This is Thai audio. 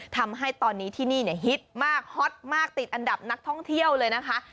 ทำให้ตอนนี้ที่นี่ฮิตมากฮอตมากติดอันดับนักท่องเที่ยวเลยนะคะ